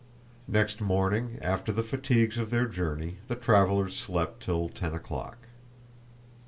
Next morning, after the fatigues of their journey, the travelers slept till ten o'clock.